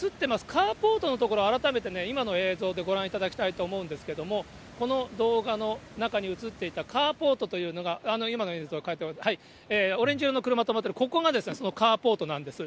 カーポートの所、改めて今の映像でご覧いただきたいと思うんですけれども、この動画の中に映っていたカーポートというのが、今の映像、オレンジ色の車止まっている、ここがそのカーポートなんです。